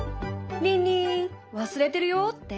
リンリン忘れてるよって？